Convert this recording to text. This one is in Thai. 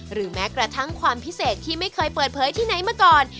แม้กระทั่งความพิเศษที่ไม่เคยเปิดเผยที่ไหนมาก่อน